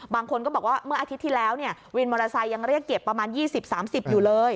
บางคนก็บอกว่าเมื่ออาทิตย์ที่แล้ววินมอเตอร์ไซค์ยังเรียกเก็บประมาณ๒๐๓๐อยู่เลย